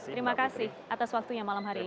terima kasih atas waktunya malam hari ini